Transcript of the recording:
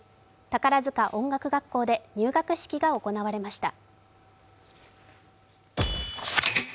宝塚音楽学校で入学式が行われました。